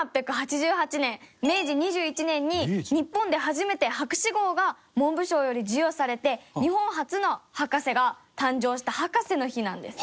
１８８８年明治２１年に日本で初めて博士号が文部省より授与されて日本初の博士が誕生した博士の日なんです。